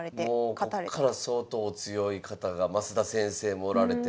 こっから相当お強い方が増田先生もおられて。